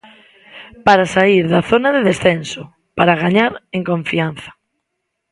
Para saír da zona de descenso, para gañar en confianza.